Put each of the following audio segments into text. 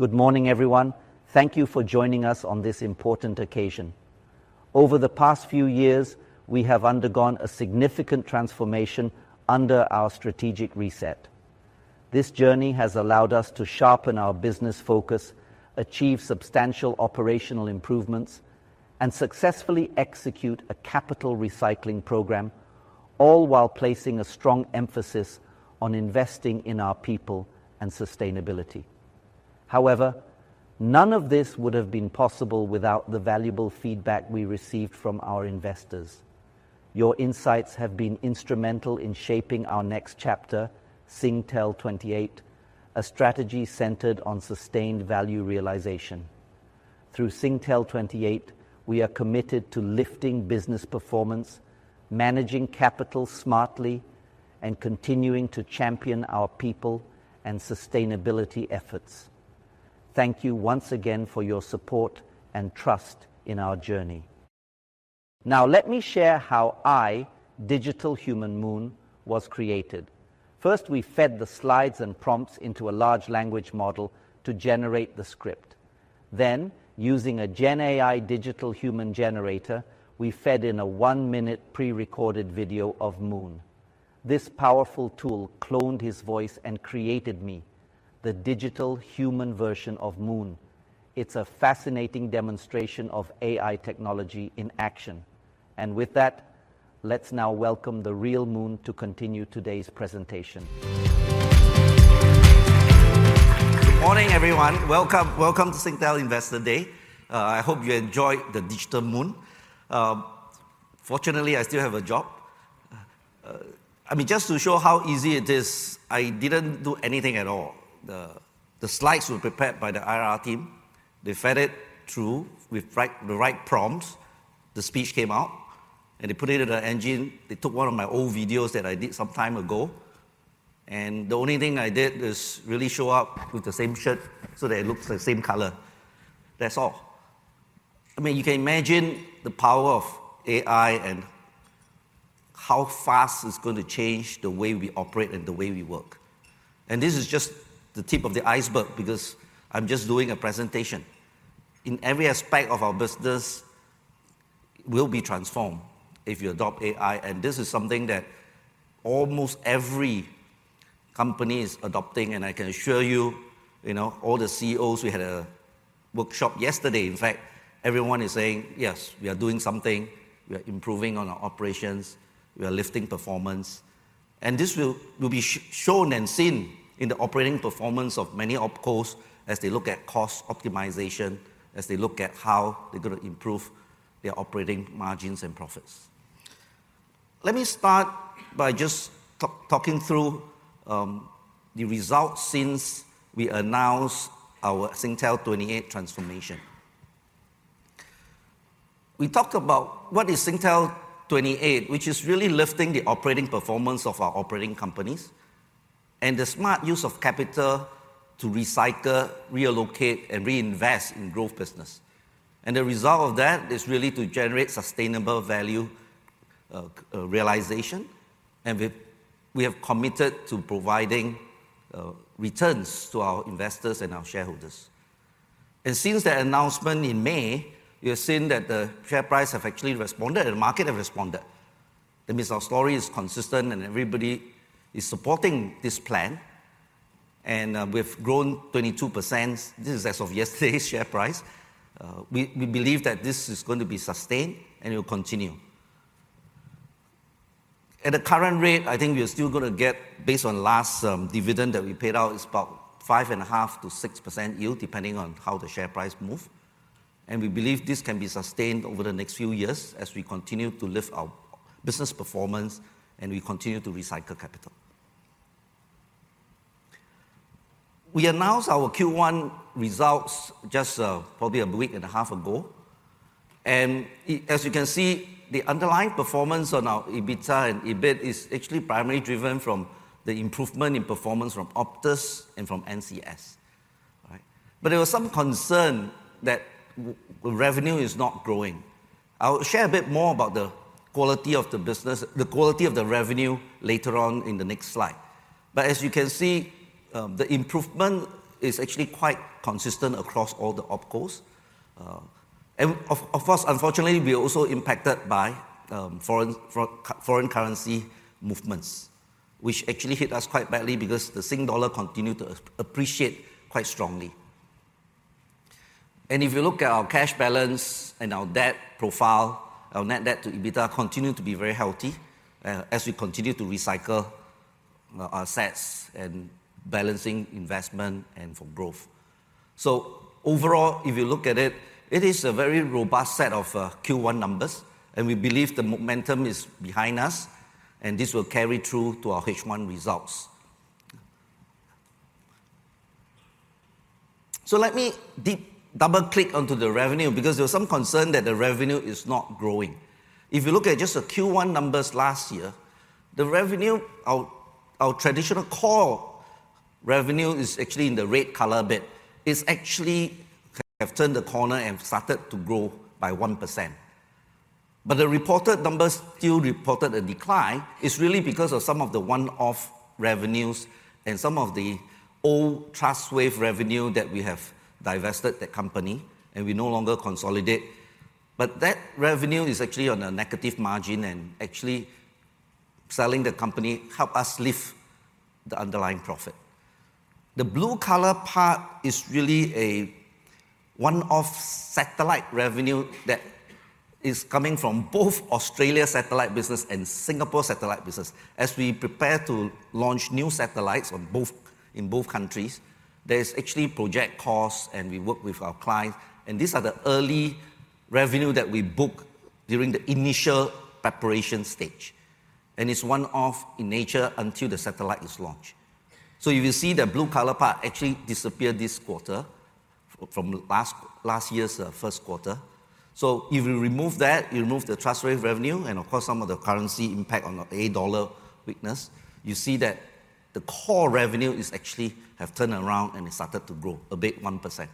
Good morning, everyone. Thank you for joining us on this important occasion. Over the past few years, we have undergone a significant transformation under our strategic reset. This journey has allowed us to sharpen our business focus, achieve substantial operational improvements, and successfully execute a capital recycling program, all while placing a strong emphasis on investing in our people and sustainability. However, none of this would have been possible without the valuable feedback we received from our investors. Your insights have been instrumental in shaping our next chapter, Singtel28, a strategy centered on sustained value realization. Through Singtel28, we are committed to lifting business performance, managing capital smartly, and continuing to champion our people and sustainability efforts. Thank you once again for your support and trust in our journey. Now, let me share how I, Digital Human Moon, was created. First, we fed the slides and prompts into a large language model to generate the script. Then, using a GenAI digital human generator, we fed in a one-minute pre-recorded video of Moon. This powerful tool cloned his voice and created me, the digital human version of Moon. It's a fascinating demonstration of AI technology in action, and with that, let's now welcome the real Moon to continue today's presentation. Good morning, everyone. Welcome, welcome to Singtel Investor Day. I hope you enjoyed the Digital Moon. Fortunately, I still have a job. I mean, just to show how easy it is, I didn't do anything at all. The slides were prepared by the IR team. They fed it through with the right prompts. The speech came out, and they put it in an engine. They took one of my old videos that I did some time ago, and the only thing I did is really show up with the same shirt so that it looks the same color. That's all. I mean, you can imagine the power of AI and how fast it's going to change the way we operate and the way we work. And this is just the tip of the iceberg because I'm just doing a presentation. In every aspect of our business will be transformed if you adopt AI, and this is something that almost every company is adopting, and I can assure you, you know, all the CEOs, we had a workshop yesterday. In fact, everyone is saying, "Yes, we are doing something. We are improving on our operations. We are lifting performance." And this will be shown and seen in the operating performance of many OpCos as they look at cost optimization, as they look at how they're gonna improve their operating margins and profits. Let me start by just talking through the results since we announced our Singtel28 transformation. We talked about what is Singtel28, which is really lifting the operating performance of our operating companies and the smart use of capital to recycle, relocate, and reinvest in growth business. And the result of that is really to generate sustainable value realization, and we have committed to providing returns to our investors and our shareholders. And since that announcement in May, we have seen that the share price have actually responded, and the market have responded. That means our story is consistent, and everybody is supporting this plan, and we've grown 22%. This is as of yesterday's share price. We believe that this is going to be sustained and will continue. At the current rate, I think we are still gonna get, based on last dividend that we paid out, is about 5.5%-6% yield, depending on how the share price move. And we believe this can be sustained over the next few years as we continue to lift our business performance and we continue to recycle capital. We announced our Q1 results just probably a week and a half ago, and as you can see, the underlying performance on our EBITDA and EBIT is actually primarily driven from the improvement in performance from Optus and from NCS. Right? But there was some concern that revenue is not growing. I'll share a bit more about the quality of the business, the quality of the revenue, later on in the next slide. But as you can see, the improvement is actually quite consistent across all the opcos. And of course, unfortunately, we are also impacted by foreign currency movements, which actually hit us quite badly because the Sing dollar continued to appreciate quite strongly. And if you look at our cash balance and our debt profile, our net debt to EBITDA continue to be very healthy, as we continue to recycle our assets and balancing investment and for growth. So overall, if you look at it, it is a very robust set of Q1 numbers, and we believe the momentum is behind us, and this will carry through to our H1 results. So let me double-click onto the revenue because there was some concern that the revenue is not growing. If you look at just the Q1 numbers last year, the revenue, our traditional core revenue is actually in the red color bit, is actually have turned the corner and started to grow by 1% but the reported numbers still reported a decline. It's really because of some of the one-off revenues and some of the old Trustwave revenue that we have divested the company, and we no longer consolidate. But that revenue is actually on a negative margin, and actually selling the company help us lift the underlying profit. The blue color part is really a one-off satellite revenue that is coming from both Australia satellite business and Singapore satellite business. As we prepare to launch new satellites in both countries, there's actually project costs, and we work with our clients, and these are the early revenue that we book during the initial preparation stage, and it's one-off in nature until the satellite is launched. So you will see the blue color part actually disappear this quarter from last year's first quarter. So if you remove that, you remove the Trustwave revenue and, of course, some of the currency impact on the A dollar weakness, you see that the core revenue is actually have turned around and started to grow a bit, 1%. Right?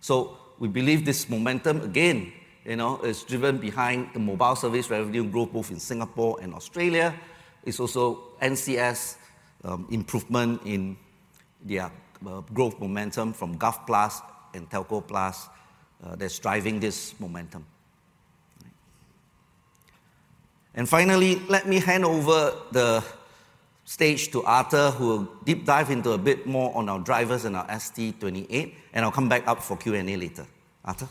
So we believe this momentum, again, you know, is driven behind the mobile service revenue growth both in Singapore and Australia. It's also NCS improvement in their growth momentum from Gov+ and Telco+, that's driving this momentum. And finally, let me hand over the stage to Arthur, who will deep dive into a bit more on our drivers and our ST28, and I'll come back up for Q&A later. Arthur?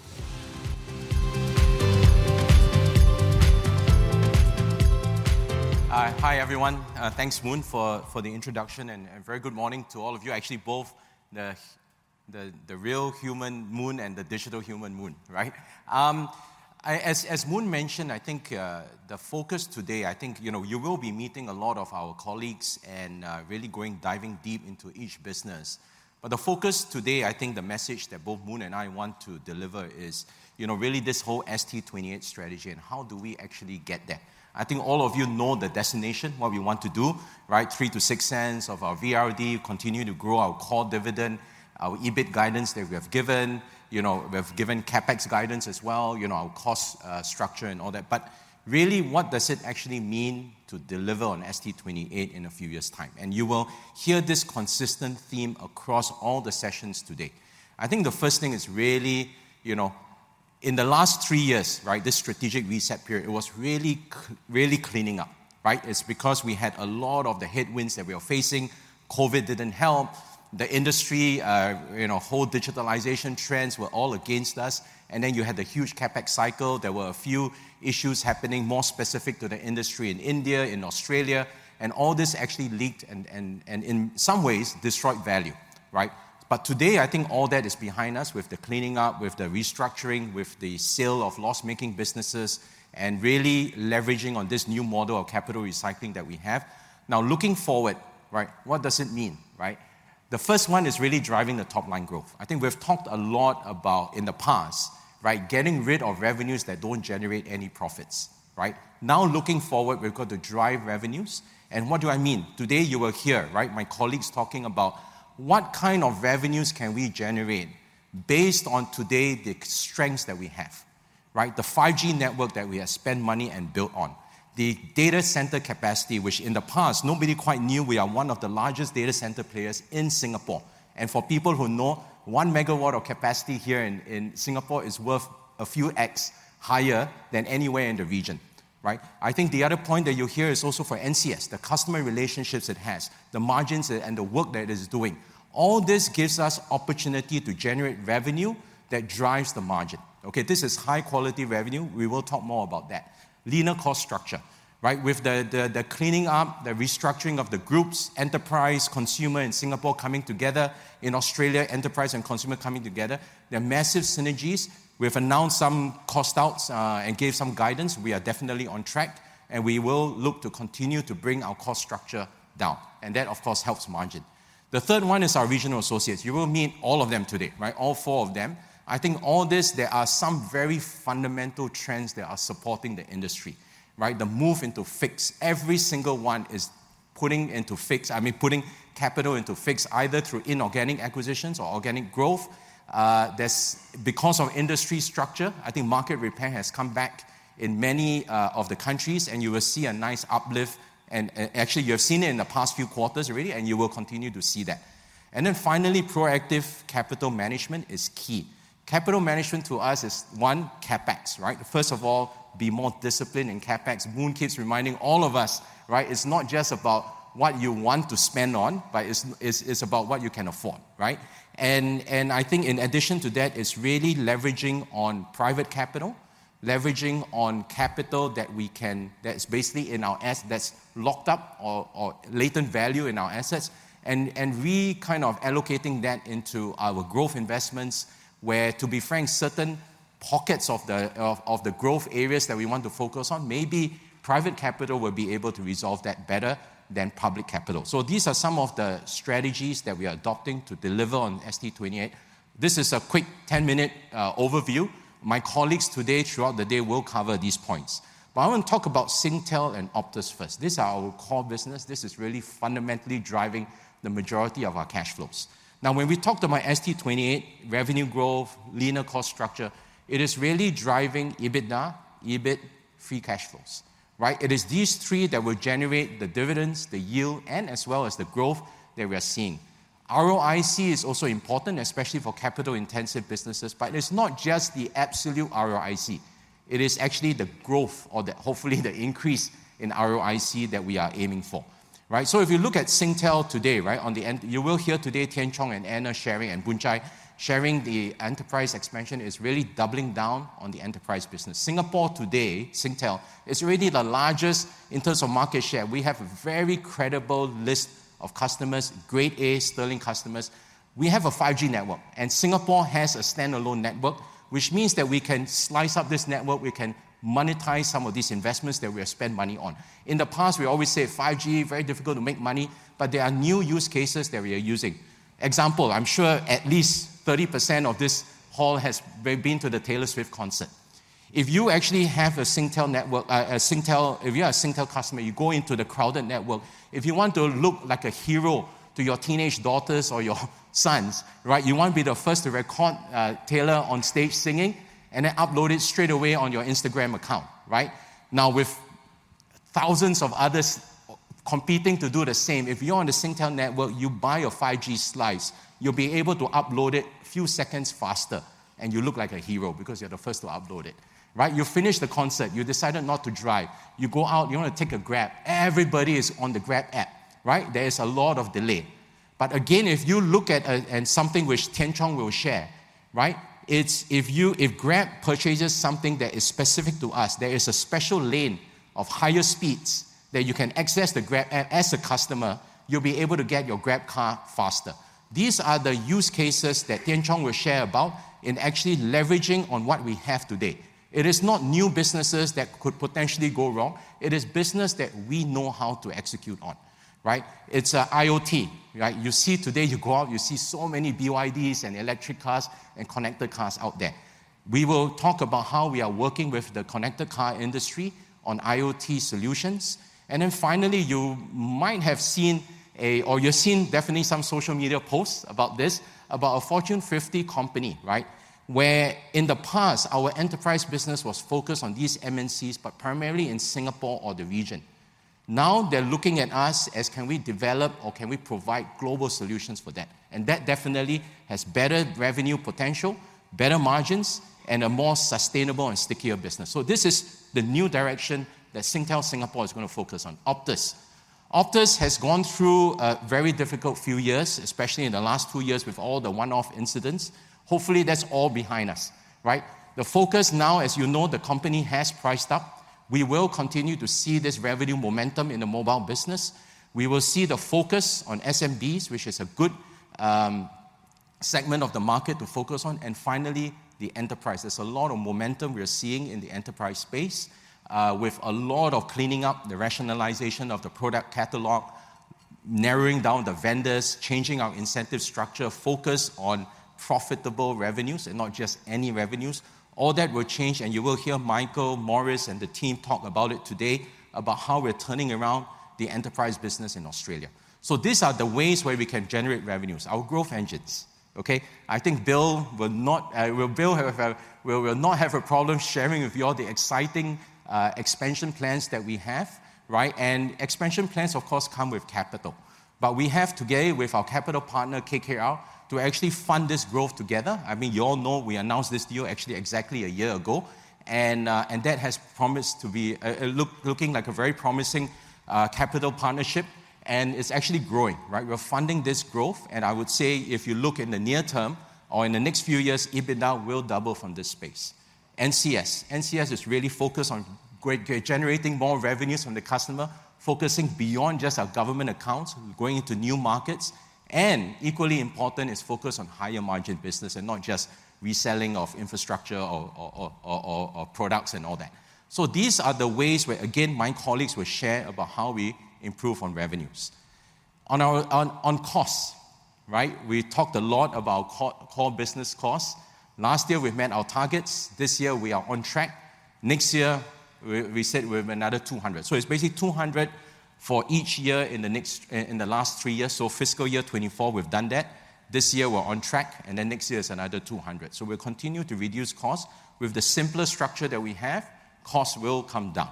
Hi, everyone. Thanks, Moon, for the introduction, and very good morning to all of you. Actually, both the real human Moon and the digital human Moon, right? As Moon mentioned, I think the focus today, I think, you know, you will be meeting a lot of our colleagues and really going diving deep into each business. But the focus today, I think the message that both Moon and I want to deliver is, you know, really this whole ST28 strategy and how do we actually get there. I think all of you know the destination, what we want to do, right? 0.03-0.06 of our VRD, continue to grow our core dividend, our EBIT guidance that we have given. You know, we have given CapEx guidance as well, you know, our cost structure and all that, but really, what does it actually mean to deliver on ST28 in a few years' time, and you will hear this consistent theme across all the sessions today. I think the first thing is really, you know, in the last three years, right, this strategic reset period, it was really cleaning up, right? It's because we had a lot of the headwinds that we are facing. COVID didn't help. The industry, you know, whole digitalization trends were all against us, and then you had the huge CapEx cycle. There were a few issues happening, more specific to the industry in India, in Australia, and all this actually leaked and in some ways destroyed value, right? But today, I think all that is behind us with the cleaning up, with the restructuring, with the sale of loss-making businesses, and really leveraging on this new model of capital recycling that we have. Now, looking forward, right, what does it mean, right? The first one is really driving the top-line growth. I think we've talked a lot about in the past, right, getting rid of revenues that don't generate any profits, right? Now, looking forward, we've got to drive revenues, and what do I mean? Today, you will hear, right, my colleagues talking about what kind of revenues can we generate based on today the strengths that we have, right? The 5G network that we have spent money and built on. The data center capacity, which in the past nobody quite knew we are one of the largest data center players in Singapore. For people who know, one megawatt of capacity here in Singapore is worth a few X higher than anywhere in the region, right? I think the other point that you'll hear is also for NCS, the customer relationships it has, the margins and the work that it's doing. All this gives us opportunity to generate revenue that drives the margin. Okay, this is high-quality revenue. We will talk more about that. Leaner cost structure, right? With the cleaning up, the restructuring of the groups, enterprise, consumer in Singapore coming together, in Australia, enterprise and consumer coming together, there are massive synergies. We have announced some cost outs, and gave some guidance. We are definitely on track, and we will look to continue to bring our cost structure down, and that, of course, helps margin. The third one is our regional associates. You will meet all of them today, right? All four of them. I think all this, there are some very fundamental trends that are supporting the industry, right? The move into fixed, every single one is putting into fixed- I mean, putting capital into fixed, either through inorganic acquisitions or organic growth. There's... Because of industry structure, I think market repair has come back in many of the countries, and you will see a nice uplift, and actually you have seen it in the past few quarters already, and you will continue to see that, and then finally, proactive capital management is key. Capital management to us is, one, CapEx, right? First of all, be more disciplined in CapEx. Moon keeps reminding all of us, right? It's not just about what you want to spend on, but it's about what you can afford, right? I think in addition to that, it's really leveraging on private capital, leveraging on capital that's basically locked up or latent value in our assets, and kind of allocating that into our growth investments, where, to be frank, certain pockets of the growth areas that we want to focus on, maybe private capital will be able to resolve that better than public capital. So these are some of the strategies that we are adopting to deliver on ST 28. This is a quick ten-minute overview. My colleagues today, throughout the day, will cover these points. But I want to talk about Singtel and Optus first. These are our core business. This is really fundamentally driving the majority of our cash flows. Now, when we talk about ST28, revenue growth, leaner cost structure, it is really driving EBITDA, EBIT, free cash flows, right? It is these three that will generate the dividends, the yield, and as well as the growth that we are seeing. ROIC is also important, especially for capital-intensive businesses, but it's not just the absolute ROIC, it is actually the growth or the, hopefully, the increase in ROIC that we are aiming for, right? So if you look at Singtel today, right. You will hear today Tian Chong and Anna sharing, and Bill Chang sharing the enterprise expansion is really doubling down on the enterprise business. Singapore today, Singtel, is really the largest in terms of market share. We have a very credible list of customers, grade A sterling customers. We have a 5G network, and Singapore has a standalone network, which means that we can slice up this network, we can monetize some of these investments that we have spent money on. In the past, we always say 5G, very difficult to make money, but there are new use cases that we are using. Example, I'm sure at least 30% of this hall has been to the Taylor Swift concert. If you actually have a Singtel network. If you are a Singtel customer, you go into the crowded network. If you want to look like a hero to your teenage daughters or your sons, right, you want to be the first to record Taylor on stage singing, and then upload it straight away on your Instagram account, right? Now, with thousands of others competing to do the same, if you're on the Singtel network, you buy a 5G slice, you'll be able to upload it a few seconds faster, and you look like a hero because you're the first to upload it, right? You finish the concert, you decided not to drive. You go out, you want to take a Grab. Everybody is on the Grab app, right? There is a lot of delay. But again, if you look at, and something which Tian Chong will share, right, it's if you, if Grab purchases something that is specific to us, there is a special lane of higher speeds that you can access the Grab app. As a customer, you'll be able to get your Grab car faster. These are the use cases that Tian Chong will share about in actually leveraging on what we have today. It is not new businesses that could potentially go wrong. It is business that we know how to execute on, right? It's IoT, right? You see today, you go out, you see so many BYDs and electric cars and connected cars out there. We will talk about how we are working with the connected car industry on IoT solutions. And then finally, you might have seen a, or you've seen definitely some social media posts about this, about a Fortune 50 company, right? Where in the past, our enterprise business was focused on these MNCs, but primarily in Singapore or the region. Now, they're looking at us as can we develop or can we provide global solutions for that? And that definitely has better revenue potential, better margins, and a more sustainable and stickier business. So this is the new direction that Singtel Singapore is going to focus on. Optus. Optus has gone through a very difficult few years, especially in the last two years with all the one-off incidents. Hopefully, that's all behind us, right? The focus now, as you know, the company has priced up. We will continue to see this revenue momentum in the mobile business. We will see the focus on SMBs, which is a good segment of the market to focus on, and finally, the enterprise. There's a lot of momentum we are seeing in the enterprise space, with a lot of cleaning up, the rationalization of the product catalog, narrowing down the vendors, changing our incentive structure, focus on profitable revenues and not just any revenues. All that will change, and you will hear Michael, Maurice, and the team talk about it today, about how we're turning around the enterprise business in Australia. So these are the ways where we can generate revenues, our growth engines, okay? I think Bill will not have a problem sharing with you all the exciting expansion plans that we have, right? And expansion plans, of course, come with capital, but we have, together with our capital partner, KKR, to actually fund this growth together. I mean, you all know we announced this deal actually exactly a year ago, and that has promised to be looking like a very promising capital partnership, and it's actually growing, right? We're funding this growth, and I would say if you look in the near term or in the next few years, EBITDA will double from this space. NCS. NCS is really focused on greatly generating more revenues from the customer, focusing beyond just our government accounts, going into new markets, and equally important is focus on higher-margin business and not just reselling of infrastructure or products and all that. These are the ways where, again, my colleagues will share about how we improve on revenues. On our costs, right? We talked a lot about core business costs. Last year, we met our targets. This year, we are on track. Next year, we said we have another two hundred. It's basically two hundred for each year in the next, in the last three years. Fiscal year 2024, we've done that. This year, we're on track, and then next year is another two hundred. We'll continue to reduce costs. With the simpler structure that we have, costs will come down.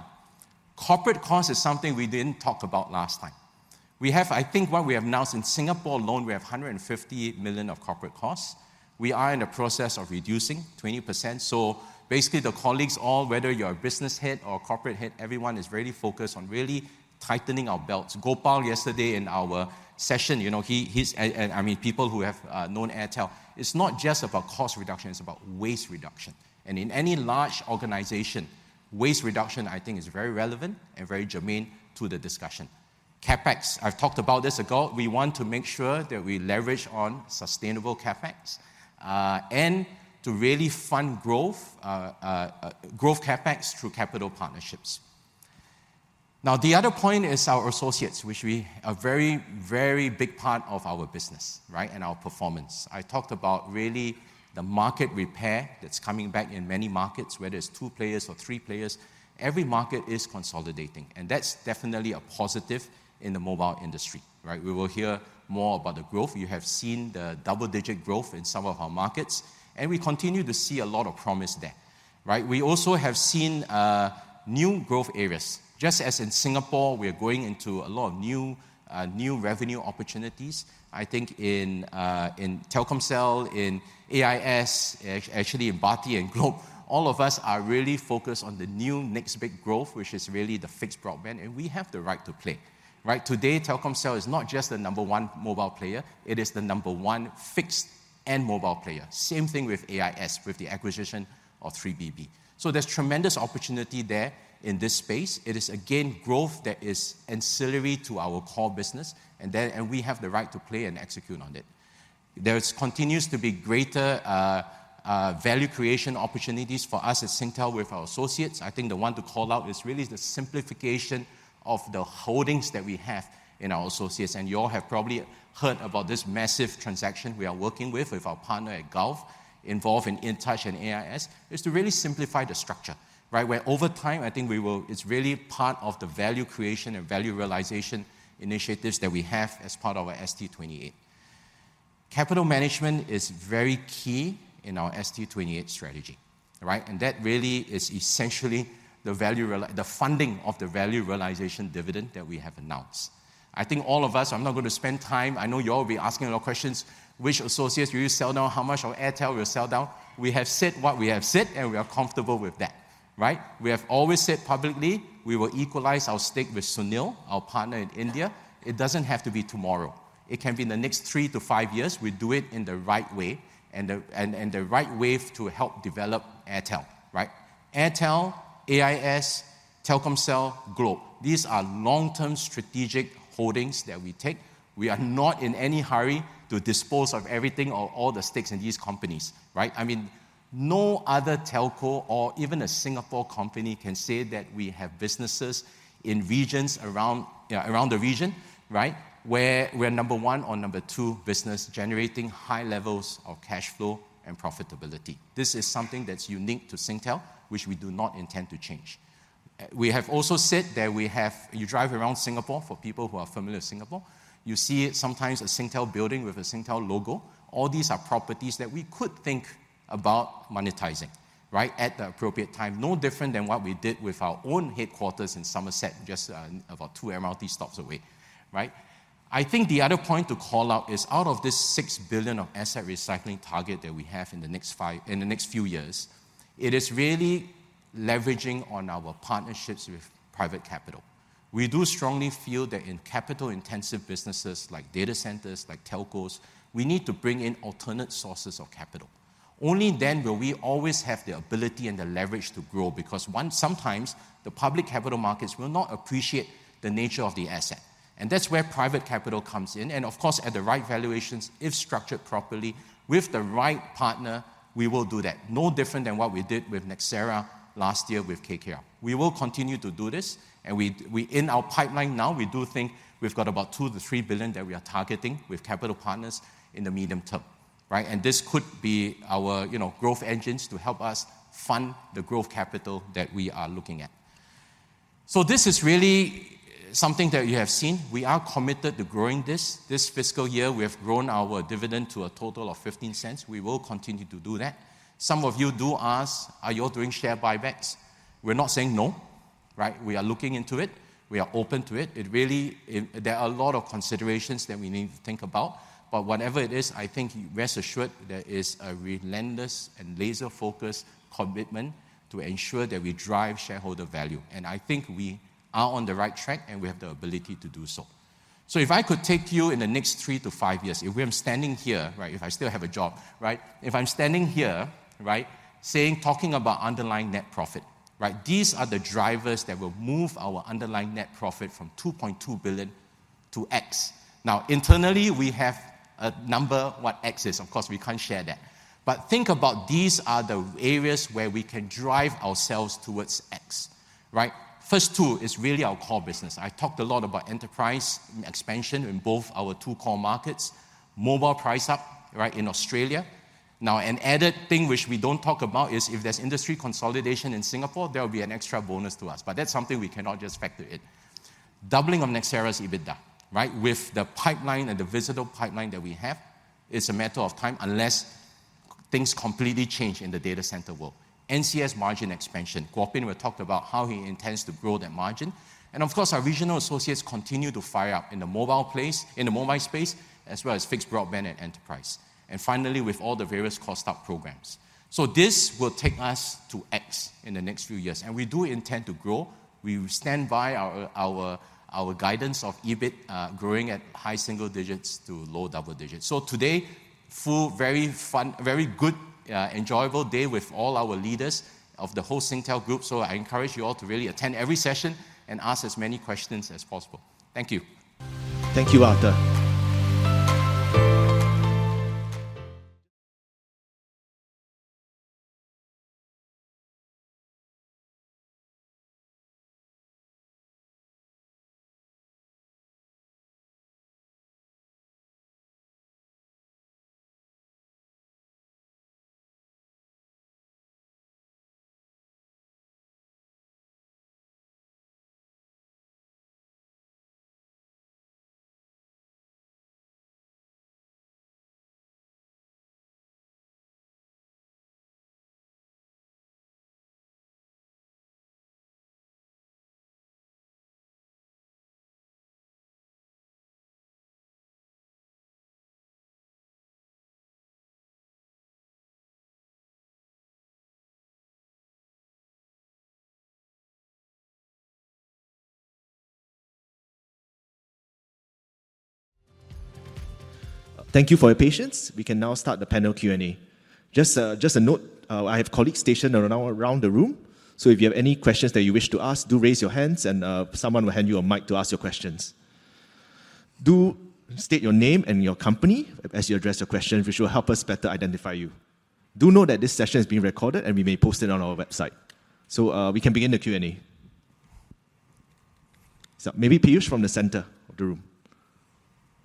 Corporate cost is something we didn't talk about last time. We have, I think what we have announced in Singapore alone, we have 150 million of corporate costs. We are in the process of reducing 20%. So basically, the colleagues all, whether you're a business head or a corporate head, everyone is really focused on really tightening our belts. Gopal, yesterday in our session, you know, he and I mean, people who have known Airtel, it's not just about cost reduction, it's about waste reduction. And in any large organization, waste reduction, I think, is very relevant and very germane to the discussion. CapEx, I've talked about this ago. We want to make sure that we leverage on sustainable CapEx, and to really fund growth, growth CapEx through capital partnerships. Now, the other point is our associates, a very, very big part of our business, right, and our performance. I talked about really the market repair that's coming back in many markets, whether it's two players or three players, every market is consolidating, and that's definitely a positive in the mobile industry, right? We will hear more about the growth. You have seen the double-digit growth in some of our markets, and we continue to see a lot of promise there, right? We also have seen new growth areas. Just as in Singapore, we are going into a lot of new revenue opportunities. I think in, in Telkomsel, in AIS, actually in Bharti and Globe, all of us are really focused on the new next big growth, which is really the fixed broadband, and we have the right to play, right? Today, Telkomsel is not just the number one mobile player, it is the number one fixed and mobile player. Same thing with AIS, with the acquisition of 3BB. So there's tremendous opportunity there in this space. It is, again, growth that is ancillary to our core business, and we have the right to play and execute on it. There's continues to be greater value creation opportunities for us at Singtel with our associates. I think the one to call out is really the simplification of the holdings that we have in our associates, and you all have probably heard about this massive transaction we are working with, with our partner at Gulf, involved in Intouch and AIS, is to really simplify the structure, right? Where over time, I think we will... It's really part of the value creation and value realization initiatives that we have as part of our ST28. Capital management is very key in our ST28 strategy, right? And that really is essentially the funding of the Value Realization Dividend that we have announced. I think all of us, I'm not gonna spend time, I know you all will be asking a lot of questions, which associates will you sell now? How much of Airtel will you sell down? We have said what we have said, and we are comfortable with that, right? We have always said publicly we will equalize our stake with Sunil, our partner in India. It doesn't have to be tomorrow. It can be in the next three to five years. We do it in the right way, and the right way to help develop Airtel, right? Airtel, AIS, Telkomsel, Globe, these are long-term strategic holdings that we take. We are not in any hurry to dispose of everything or all the stakes in these companies, right? I mean, no other telco or even a Singapore company can say that we have businesses in regions around the region, right? Where we're number one or number two business, generating high levels of cash flow and profitability. This is something that's unique to Singtel, which we do not intend to change. We have also said that we have. You drive around Singapore, for people who are familiar with Singapore, you see sometimes a Singtel building with a Singtel logo. All these are properties that we could think about monetizing, right? At the appropriate time. No different than what we did with our own headquarters in Somerset, just, about two MRT stops away, right? I think the other point to call out is out of this 6 billion of asset recycling target that we have in the next few years, it is really leveraging on our partnerships with private capital. We do strongly feel that in capital-intensive businesses like data centers, like telcos, we need to bring in alternate sources of capital. Only then will we always have the ability and the leverage to grow, because one, sometimes the public capital markets will not appreciate the nature of the asset, and that's where private capital comes in, and of course, at the right valuations, if structured properly, with the right partner, we will do that. No different than what we did with Nxera last year with KKR. We will continue to do this, and we in our pipeline now, we do think we've got about 2-3 billion that we are targeting with capital partners in the medium term, right? And this could be our, you know, growth engines to help us fund the growth capital that we are looking at. So this is really something that you have seen. We are committed to growing this. This fiscal year, we have grown our dividend to a total of 0.15. We will continue to do that. Some of you do ask: "Are you all doing share buybacks?" We're not saying no, right? We are looking into it. We are open to it. It really, there are a lot of considerations that we need to think about, but whatever it is, I think rest assured, there is a relentless and laser-focused commitment to ensure that we drive shareholder value, and I think we are on the right track, and we have the ability to do so. So if I could take you in the next three to five years, if we are standing here, right, if I still have a job, right? If I'm standing here, right, saying, talking about underlying net profit, right, these are the drivers that will move our underlying net profit from 2.2 billion to X. Now, internally, we have a number, what X is, of course, we can't share that. But think about these are the areas where we can drive ourselves towards X, right? First two is really our core business. I talked a lot about enterprise expansion in both our two core markets, mobile price up, right, in Australia. Now, an added thing which we don't talk about is if there's industry consolidation in Singapore, there will be an extra bonus to us, but that's something we cannot just factor in. Doubling of Nxera's EBITDA, right? With the pipeline and the visible pipeline that we have, it's a matter of time, unless things completely change in the data center world. NCS margin expansion. Kuo Pin will talk about how he intends to grow that margin. Of course, our regional associates continue to fire up in the mobile place, in the mobile space, as well as fixed broadband and enterprise, and finally, with all the various cost-out programs. This will take us to X in the next few years, and we do intend to grow. We stand by our guidance of EBIT growing at high single digits to low double digits. Today, very fun, very good, enjoyable day with all our leaders of the whole Singtel group. I encourage you all to really attend every session and ask as many questions as possible. Thank you. Thank you, Arthur. Thank you for your patience. We can now start the panel Q&A. Just a note, I have colleagues stationed around the room, so if you have any questions that you wish to ask, do raise your hands, and someone will hand you a mic to ask your questions. Do state your name and your company as you address your question, which will help us better identify you. Do know that this session is being recorded, and we may post it on our website. So we can begin the Q&A. So maybe Piyush from the center of the room.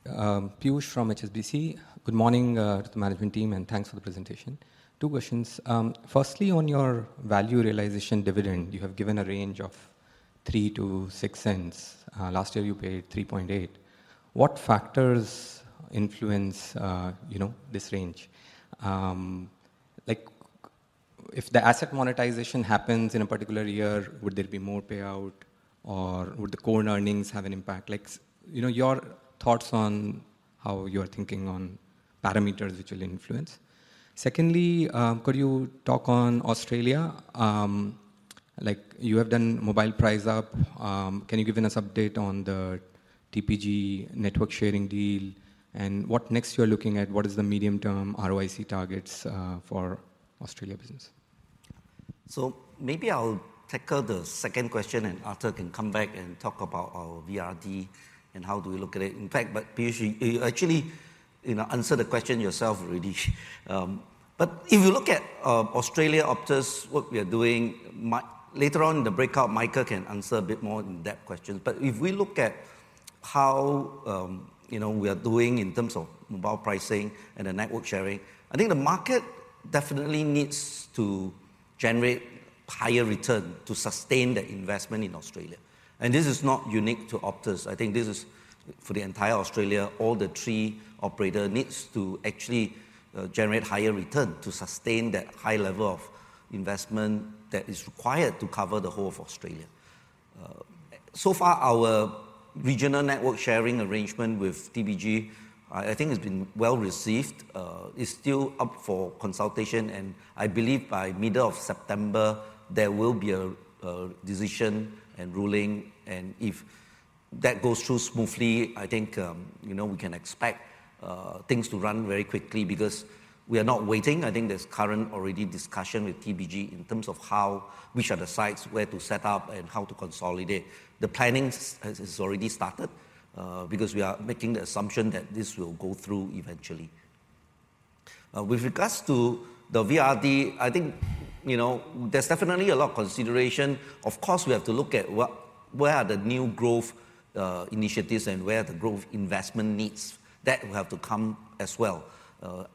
Piyush from HSBC. Good morning, to the management team, and thanks for the presentation. Two questions. Firstly, on your value realization dividend, you have given a range of 0.03-0.06. Last year you paid 0.038. What factors influence, you know, this range? Like, if the asset monetization happens in a particular year, would there be more payout, or would the core earnings have an impact? Like, you know, your thoughts on how you are thinking on parameters which will influence. Secondly, could you talk on Australia? Like, you have done mobile price up. Can you give us an update on the TPG network sharing deal and what next you are looking at? What is the medium-term ROIC targets, for Australia business? Maybe I'll tackle the second question, and Arthur can come back and talk about our VRD and how do we look at it. In fact, but Piyush, you actually, you know, answered the question yourself already. But if you look at Australia, Optus, what we are doing. Later on in the breakout, Michael can answer a bit more in-depth questions. But if we look at how, you know, we are doing in terms of mobile pricing and the network sharing, I think the market definitely needs to generate higher return to sustain the investment in Australia, and this is not unique to Optus. I think this is for the entire Australia, all the three operator needs to actually generate higher return to sustain that high level of investment that is required to cover the whole of Australia. So far, our regional network sharing arrangement with TPG, I think has been well received. It's still up for consultation, and I believe by middle of September, there will be a decision and ruling, and if that goes through smoothly, I think, you know, we can expect things to run very quickly because we are not waiting. I think there's currently already discussion with TPG in terms of how, which are the sites, where to set up, and how to consolidate. The planning has already started because we are making the assumption that this will go through eventually. With regards to the VRD, I think, you know, there's definitely a lot of consideration. Of course, we have to look at what, where are the new growth initiatives and where the growth investment needs. That will have to come as well.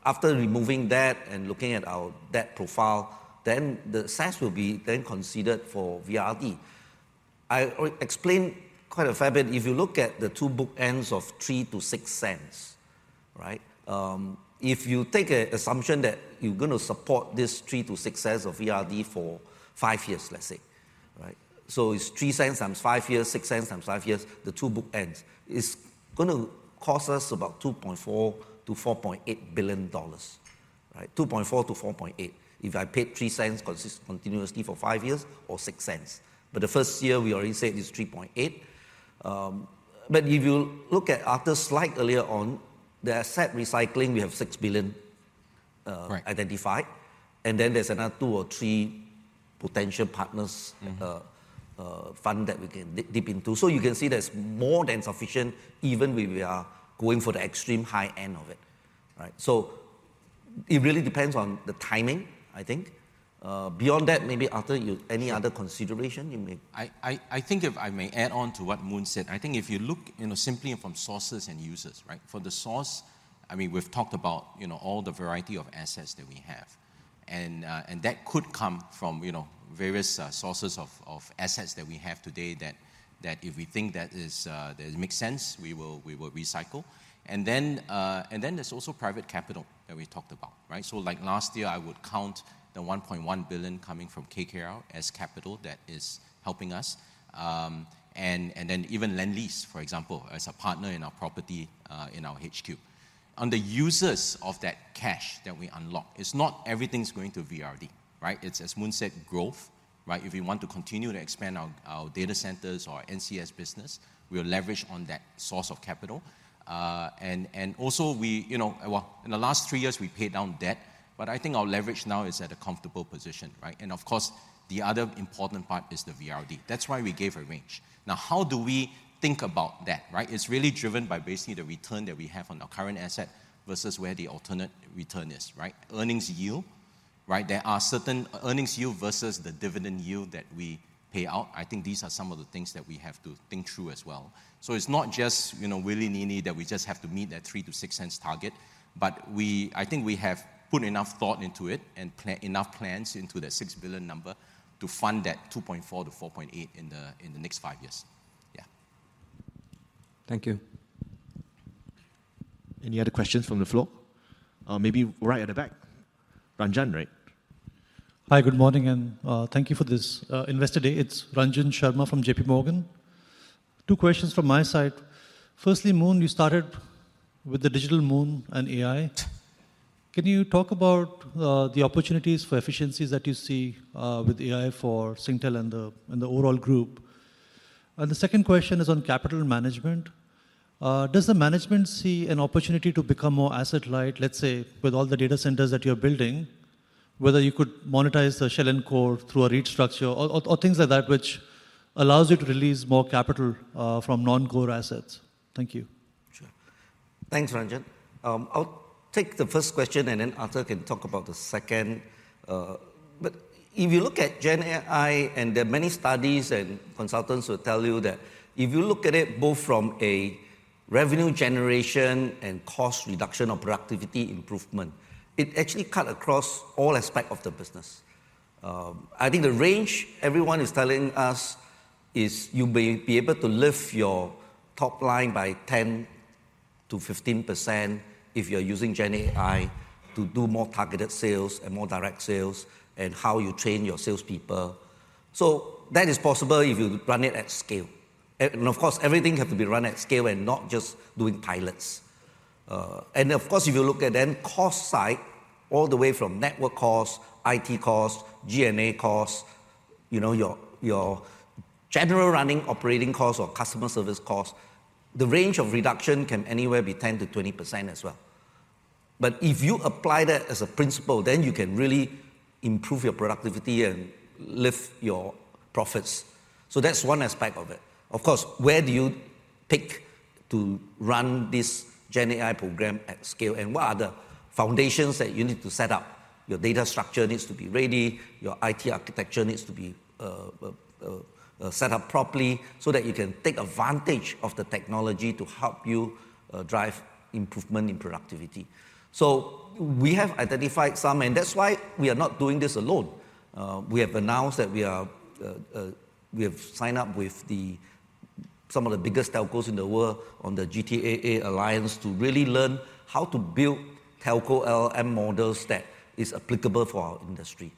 After removing that and looking at our debt profile, then the assets will be then considered for VRD. I explained quite a fair bit. If you look at the two bookends of 3-6 cents, right? If you take an assumption that you're gonna support this 3-6 cents of VRD for five years, let's say, right? So it's 3 cents times five years, 6 cents times five years, the two bookends. It's gonna cost us about 2.4-4.8 billion dollars, right? 2.4 to 4.8. If I paid 3 cents continuously for five years or 6 cents, but the first year we already said is 3.8. But if you look at Arthur's slide earlier on, the asset recycling, we have 6 billion. Right Identified, and then there's another two or three potential partners, fund that we can dip into. So you can see there's more than sufficient, even when we are going for the extreme high end of it, right? So it really depends on the timing, I think. Beyond that, maybe, Arthur, you, any other consideration you may- I think if I may add on to what Moon said, I think if you look, you know, simply from sources and users, right? For the source, I mean, we've talked about, you know, all the variety of assets that we have, and that could come from, you know, various sources of assets that we have today that if we think that makes sense, we will recycle. And then there's also private capital that we talked about, right? So, like last year, I would count the 1.1 billion coming from KKR as capital that is helping us. And then even Lendlease, for example, as a partner in our property in our HQ. On the users of that cash that we unlock, it's not everything's going to VRD, right? It's as Moon said, growth, right? If we want to continue to expand our data centers or NCS business, we'll leverage on that source of capital. And also we, you know, well, in the last three years, we paid down debt, but I think our leverage now is at a comfortable position, right? And of course, the other important part is the VRD. That's why we gave a range. Now, how do we think about that, right? It's really driven by basically the return that we have on our current asset versus where the alternate return is, right? Earnings yield right? There are certain earnings yield versus the dividend yield that we pay out. I think these are some of the things that we have to think through as well. So it's not just, you know, willy-nilly that we just have to meet that 0.03-0.06 target, but I think we have put enough thought into it and enough plans into the 6 billion number to fund that 2.4 billion-4.8 billion in the next five years. Yeah. Thank you. Any other questions from the floor? Maybe right at the back. Ranjan, right? Hi, good morning, and thank you for this Investor Day. It's Ranjan Sharma from JP Morgan. Two questions from my side. Firstly, Moon, you started with the digital moon and AI. Can you talk about the opportunities for efficiencies that you see with AI for Singtel and the overall group? And the second question is on capital management. Does the management see an opportunity to become more asset light, let's say, with all the data centers that you're building, whether you could monetize the shell and core through a REIT structure or things like that, which allows you to release more capital from non-core assets? Thank you. Sure. Thanks, Ranjan. I'll take the first question, and then Arthur can talk about the second. But if you look at Gen AI, and there are many studies, and consultants will tell you that if you look at it both from a revenue generation and cost reduction or productivity improvement, it actually cut across all aspect of the business. I think the range everyone is telling us is you may be able to lift your top line by 10%-15% if you're using Gen AI to do more targeted sales and more direct sales and how you train your salespeople. So that is possible if you run it at scale. And, and of course, everything have to be run at scale and not just doing pilots. And of course, if you look at the cost side, all the way from network costs, IT costs, G&A costs, you know, your general running operating costs or customer service costs, the range of reduction can anywhere be 10%-20% as well. But if you apply that as a principle, then you can really improve your productivity and lift your profits. So that's one aspect of it. Of course, where do you pick to run this GenAI program at scale, and what are the foundations that you need to set up? Your data structure needs to be ready, your IT architecture needs to be set up properly so that you can take advantage of the technology to help you drive improvement in productivity. So we have identified some, and that's why we are not doing this alone. We have signed up with some of the biggest telcos in the world on the GTAA Alliance to really learn how to build telco LLM models that is applicable for our industry,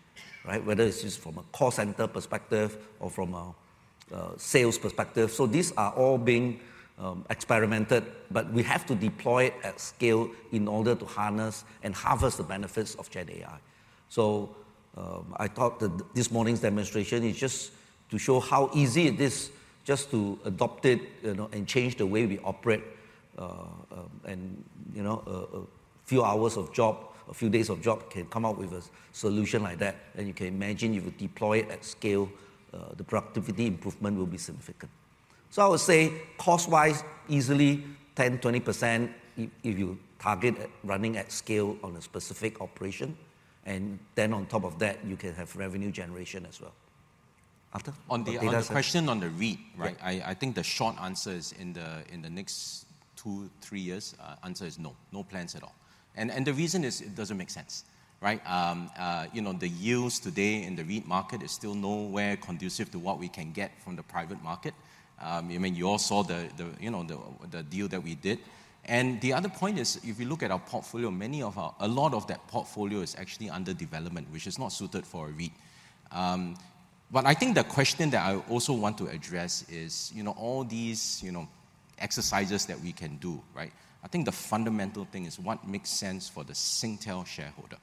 right? Whether it's just from a call center perspective or from a sales perspective. So these are all being experimented, but we have to deploy at scale in order to harness and harvest the benefits of GenAI. So, I thought that this morning's demonstration is just to show how easy it is just to adopt it, you know, and change the way we operate. You know, a few hours of job, a few days of job can come out with a solution like that, and you can imagine you would deploy it at scale, the productivity improvement will be significant. So I would say cost-wise, easily 10%-20% if you target at running at scale on a specific operation, and then on top of that, you can have revenue generation as well. Arthur? On the. Data center. the question on the REIT, right? Yeah. I think the short answer is in the next two, three years, answer is no, no plans at all, and the reason is it doesn't make sense, right? You know, the yields today in the REIT market is still nowhere conducive to what we can get from the private market. I mean, you all saw you know, the deal that we did. And the other point is, if you look at our portfolio, many of our... a lot of that portfolio is actually under development, which is not suited for a REIT. But I think the question that I also want to address is, you know, all these, you know, exercises that we can do, right? I think the fundamental thing is what makes sense for the Singtel shareholder,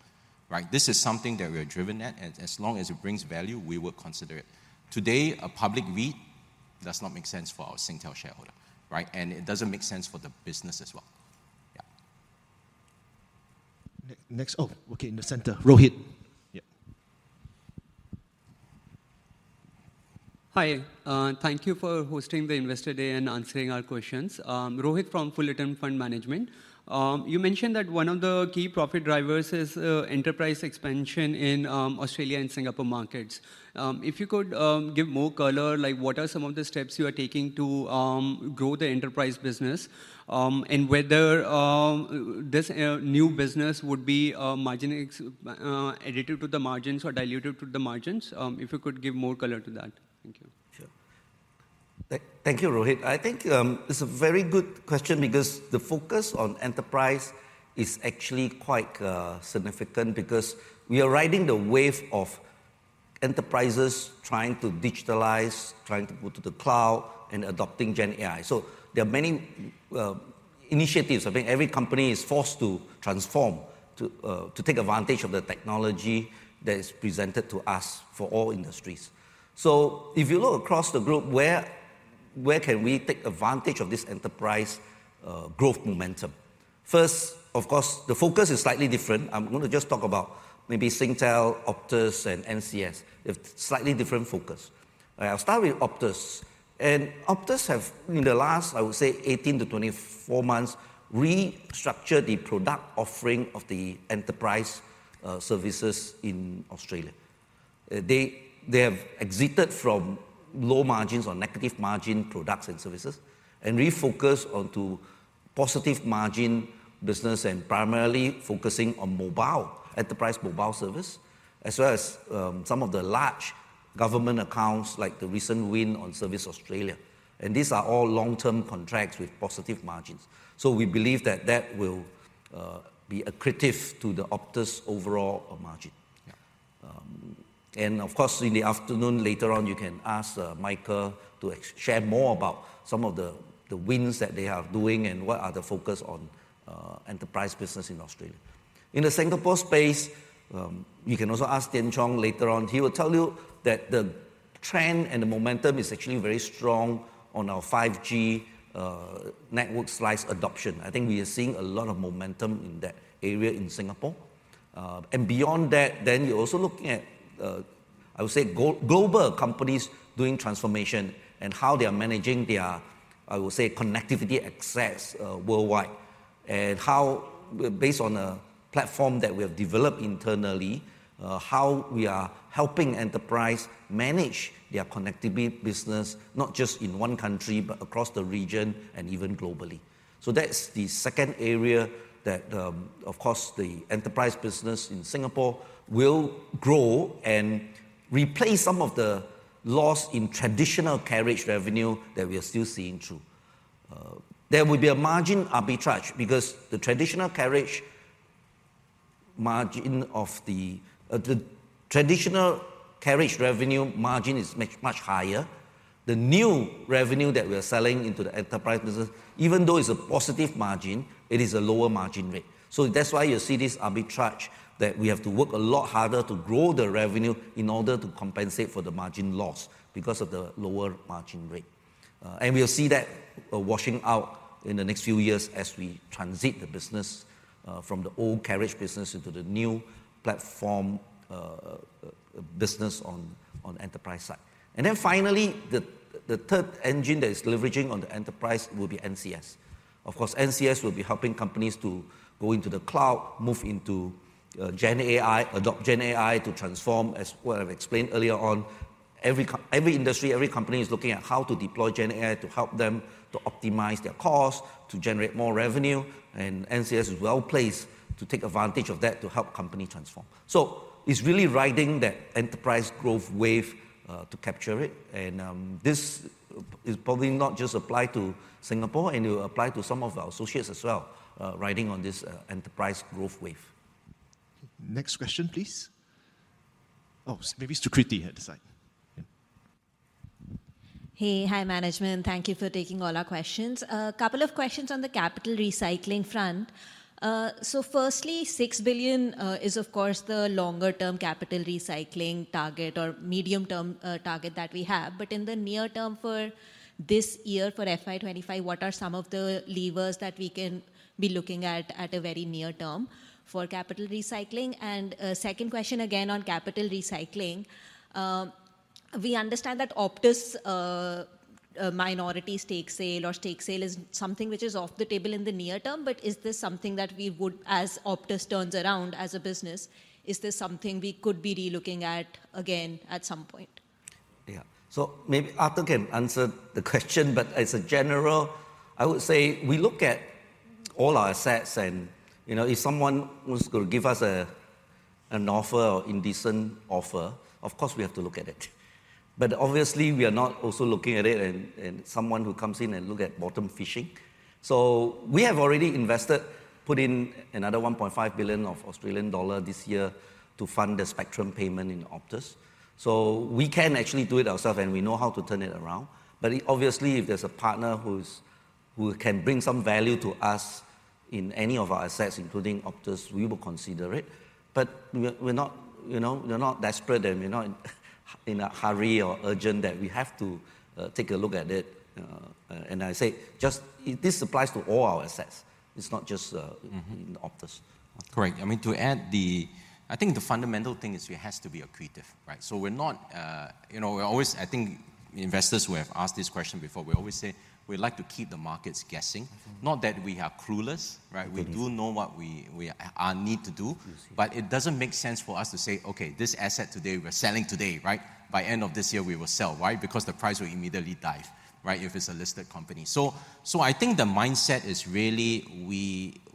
right? This is something that we are driving at, and as long as it brings value, we will consider it. Today, a public REIT does not make sense for our Singtel shareholder, right? And it doesn't make sense for the business as well. Yeah. Next, oh, okay, in the center. Rohit? Yeah. Hi, thank you for hosting the Investor Day and answering our questions. Rohit from Fullerton Fund Management. You mentioned that one of the key profit drivers is enterprise expansion in Australia and Singapore markets. If you could give more color, like what are some of the steps you are taking to grow the enterprise business, and whether this new business would be margin-accretive to the margins or diluted to the margins? If you could give more color to that. Thank you. Sure. Thank you, Rohit. I think, it's a very good question because the focus on enterprise is actually quite, significant because we are riding the wave of enterprises trying to digitalize, trying to go to the cloud, and adopting Gen AI. So there are many, initiatives. I think every company is forced to transform, to, to take advantage of the technology that is presented to us for all industries. So if you look across the group, where can we take advantage of this enterprise, growth momentum? First, of course, the focus is slightly different. I'm going to just talk about maybe Singtel, Optus, and NCS. They have slightly different focus. I'll start with Optus, and Optus have, in the last, I would say 18-24 months, restructured the product offering of the enterprise, services in Australia. They have exited from low margins or negative margin products and services, and refocused onto positive margin business, and primarily focusing on mobile, enterprise mobile service, as well as some of the large government accounts, like the recent win on Services Australia, and these are all long-term contracts with positive margins, so we believe that that will be accretive to the Optus overall margin. Yeah. And of course, in the afternoon, later on, you can ask Michael to share more about some of the wins that they are doing and what the focus is on enterprise business in Australia. In the Singapore space, you can also ask Tian Chong later on. He will tell you that the trend and the momentum is actually very strong on our 5G network slice adoption. I think we are seeing a lot of momentum in that area in Singapore. And beyond that, then you're also looking at, I would say, global companies doing transformation and how they are managing their, I would say, connectivity access worldwide. And how, based on a platform that we have developed internally, how we are helping enterprise manage their connectivity business, not just in one country, but across the region and even globally. So that's the second area that, of course, the enterprise business in Singapore will grow and replace some of the loss in traditional carriage revenue that we are still seeing through. There will be a margin arbitrage because the traditional carriage margin of the traditional carriage revenue margin is much higher. The new revenue that we are selling into the enterprise business, even though it's a positive margin, it is a lower margin rate. So that's why you see this arbitrage, that we have to work a lot harder to grow the revenue in order to compensate for the margin loss because of the lower margin rate. And we'll see that washing out in the next few years as we transit the business from the old carriage business into the new platform business on the enterprise side. And then finally, the third engine that is leveraging on the enterprise will be NCS. Of course, NCS will be helping companies to go into the cloud, move into GenAI, adopt GenAI to transform, as what I've explained earlier on. Every industry, every company is looking at how to deploy GenAI to help them to optimize their cost, to generate more revenue, and NCS is well-placed to take advantage of that to help company transform. So it's really riding that enterprise growth wave, to capture it, and this is probably not just apply to Singapore, and it will apply to some of our associates as well, riding on this enterprise growth wave. Next question, please. Oh, maybe Sukriti at the side. Yeah. Hey. Hi, management. Thank you for taking all our questions. A couple of questions on the capital recycling front. So firstly, 6 billion is, of course, the longer-term capital recycling target or medium-term target that we have. But in the near term for this year, for FY25, what are some of the levers that we can be looking at a very near term for capital recycling? And a second question, again, on capital recycling. We understand that Optus' minority stake sale or stake sale is something which is off the table in the near term, but is this something that we would, as Optus turns around as a business, is this something we could be re-looking at again at some point? Yeah. So maybe Arthur can answer the question, but as a general, I would say we look at all our assets and, you know, if someone was to give us a, an offer or indecent offer, of course we have to look at it. But obviously we are not also looking at it and, and someone who comes in and look at bottom fishing. So we have already invested, put in another 1.5 billion this year to fund the spectrum payment in Optus. So we can actually do it ourselves, and we know how to turn it around. But obviously, if there's a partner who's, who can bring some value to us in any of our assets, including Optus, we will consider it. But we're not, you know, we're not desperate, and we're not in a hurry or urgent that we have to take a look at it. And I say, just, this applies to all our assets. It's not just, Yeah. Optus. Correct. I mean, to add the, I think the fundamental thing is it has to be accretive, right? So we're not, you know, we're always, I think investors who have asked this question before, we always say we'd like to keep the markets guessing. Yeah. Not that we are clueless, right? Agreed. We do know what we need to do. Yes. But it doesn't make sense for us to say, "Okay, this asset today, we're selling today," right? "By end of this year, we will sell." Why? Because the price will immediately dive, right? If it's a listed company. So I think the mindset is really,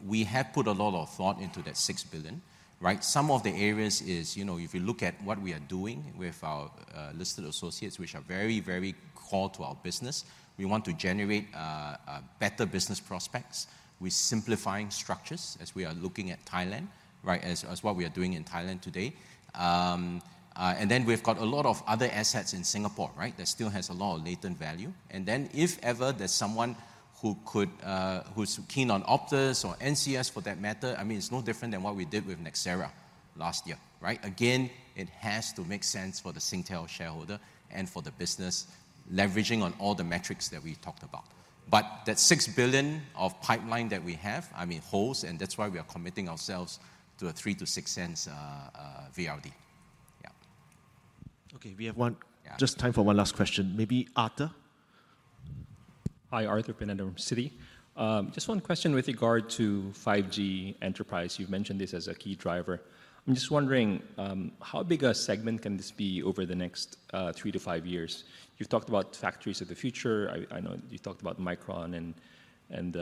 we have put a lot of thought into that six billion, right? Some of the areas is, you know, if you look at what we are doing with our listed associates, which are very, very core to our business, we want to generate better business prospects. We're simplifying structures, as we are looking at Thailand, right? As what we are doing in Thailand today. And then we've got a lot of other assets in Singapore, right? That still has a lot of latent value. And then if ever there's someone who could, who's keen on Optus or NCS for that matter, I mean, it's no different than what we did with Nxera last year, right? Again, it has to make sense for the Singtel shareholder and for the business, leveraging on all the metrics that we talked about. But that six billion of pipeline that we have, I mean, holds, and that's why we are committing ourselves to 0.03-0.06 VRD. Yeah. Okay, we have one- Yeah. Just time for one last question. Maybe Arthur? Hi, Arthur Pineda from Citi. Just one question with regard to 5G enterprise. You've mentioned this as a key driver. I'm just wondering, how big a segment can this be over the next, three to five years? You've talked about factories of the future. I know you talked about Micron and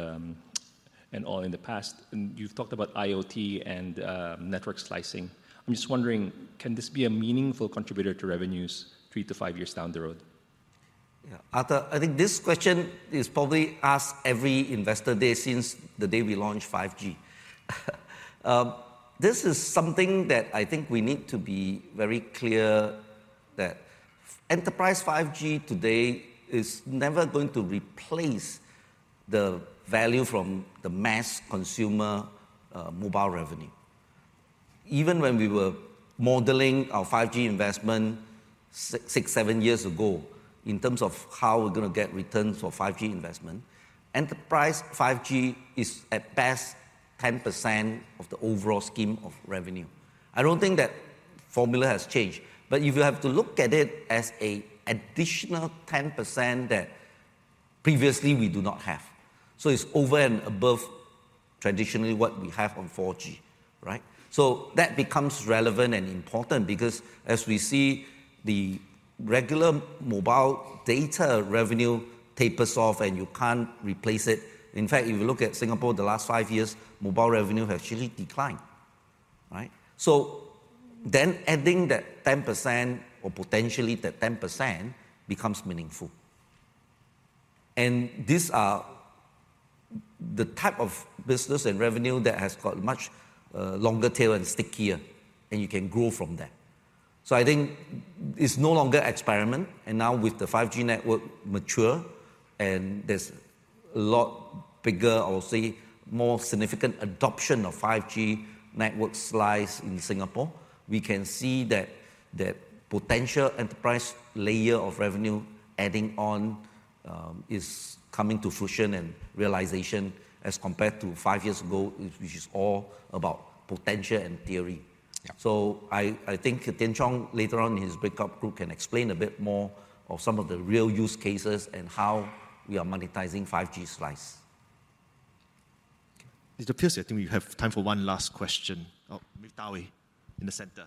all in the past, and you've talked about IoT and network slicing. I'm just wondering, can this be a meaningful contributor to revenues three to five years down the road? Yeah, Arthur, I think this question is probably asked every investor day since the day we launched 5G. This is something that I think we need to be very clear that enterprise 5G today is never going to replace the value from the mass consumer mobile revenue. Even when we were modeling our 5G investments six, seven years ago in terms of how we're gonna get returns for 5G investment, enterprise 5G is, at best, 10% of the overall scheme of revenue. I don't think that formula has changed, but if you have to look at it as a additional 10% that previously we do not have, so it's over and above traditionally what we have on 4G, right? So that becomes relevant and important because as we see the regular mobile data revenue tapers off, and you can't replace it. In fact, if you look at Singapore in the last five years, mobile revenue has actually declined, right? So then adding that 10% or potentially that 10% becomes meaningful. And these are the type of business and revenue that has got much longer tail and stickier, and you can grow from that. So I think it's no longer experiment, and now with the 5G network mature, and there's a lot bigger or, say, more significant adoption of 5G network slicing in Singapore, we can see that the potential enterprise layer of revenue adding on is coming to fruition and realization as compared to five years ago, which is all about potential and theory. Yeah. I think Tian Chong later on in his breakout group can explain a bit more of some of the real use cases and how we are monetizing 5G slicing. It appears that we have time for one last question of Dawei in the center.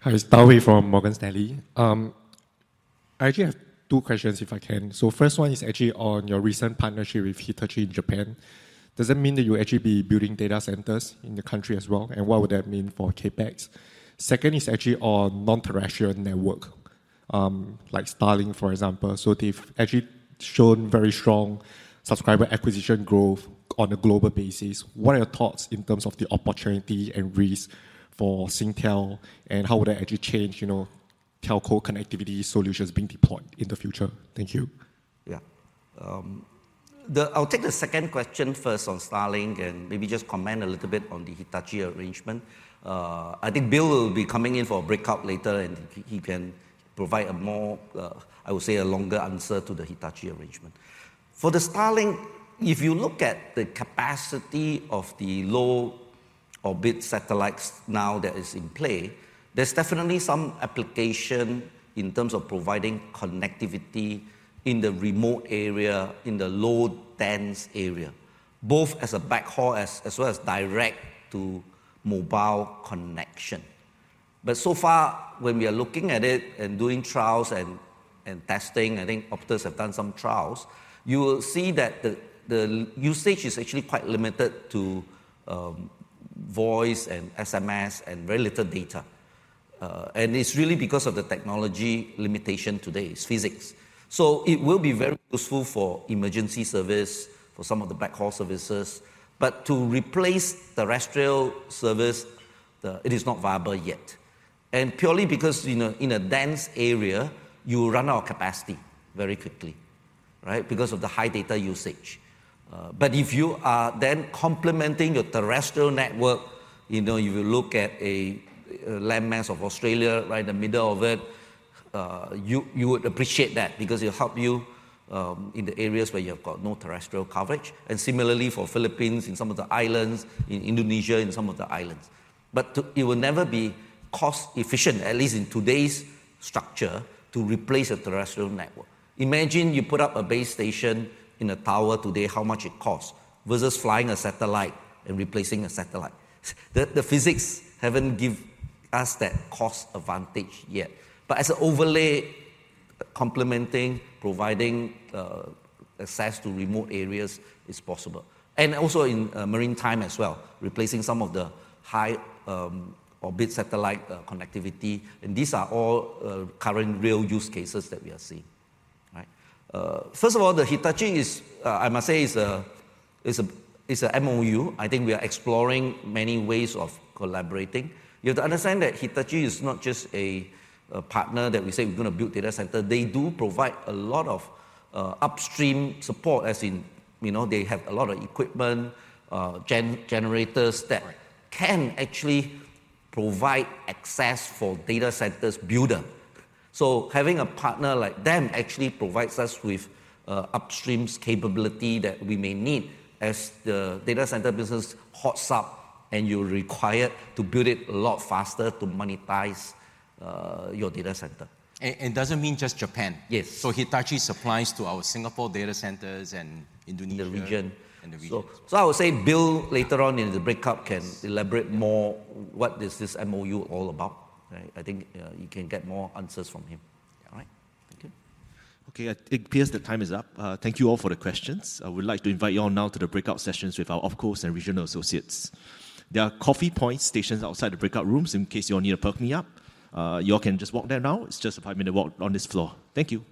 Hi, it's Dawei from Morgan Stanley. I actually have two questions, if I can. So first one is actually on your recent partnership with Hitachi in Japan. Does it mean that you'll actually be building data centers in the country as well, and what would that mean for CapEx? Second is actually on non-terrestrial network, like Starlink, for example. So they've actually shown very strong subscriber acquisition growth on a global basis. What are your thoughts in terms of the opportunity and risk for Singtel, and how would that actually change, you know, telco connectivity solutions being deployed in the future? Thank you. Yeah. I'll take the second question first on Starlink and maybe just comment a little bit on the Hitachi arrangement. I think Bill will be coming in for a breakout later, and he can provide a more, I would say, a longer answer to the Hitachi arrangement. For the Starlink, if you look at the capacity of the low orbit satellites now that is in play, there's definitely some application in terms of providing connectivity in the remote area, in the low-dense area, both as a backhaul as well as direct-to-mobile connection. But so far, when we are looking at it and doing trials and testing, I think Optus have done some trials, you will see that the usage is actually quite limited to voice and SMS and very little data. It's really because of the technology limitations today, physics, so it will be very useful for emergency service, for some of the backhaul services, but to replace terrestrial service, it is not viable yet, and purely because, you know, in a dense area, you run out of capacity very quickly, right? Because of the high data usage, but if you are then complementing a terrestrial network, you know, if you look at a landmass of Australia, right in the middle of it, you would appreciate that because it'll help you in the areas where you've got no terrestrial coverage, and similarly for Philippines, in some of the islands, in Indonesia, in some of the islands, but it will never be cost efficient, at least in today's structure, to replace a terrestrial network. Imagine you put up a base station in a tower today, how much it costs, versus flying a satellite and replacing a satellite. The physics haven't give us that cost advantage yet, but as an overlay, complementing, providing, access to remote areas is possible, and also in, maritime as well, replacing some of the high, orbit satellite, connectivity, and these are all, current real use cases that we are seeing, right? First of all, the Hitachi is, I must say, is a MOU. I think we are exploring many ways of collaborating. You have to understand that Hitachi is not just a partner that we say we're gonna build data center. They do provide a lot of, upstream support, as in, you know, they have a lot of equipment, generators that- Right Can actually provide access for data centers builder. So having a partner like them actually provides us with upstreams capability that we may need as the data center business hots up, and you're required to build it a lot faster to monetize your data center. doesn't mean just Japan. Yes. So Hitachi supplies to our Singapore data centers and Indonesia. The region. The region. I would say Bill, later on in the breakout, can elaborate more. Yeah What is this MOU all about, right? I think, you can get more answers from him. All right. Okay. Okay, it appears the time is up. Thank you all for the questions. I would like to invite you all now to the breakout sessions with our of course and regional associates. There are coffee point stations outside the breakout rooms in case you all need a pick-me-up. You all can just walk there now. It's just a five-minute walk on this floor. Thank you.